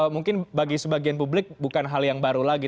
mungkin bagi sebagian publik bukan hal yang baru lagi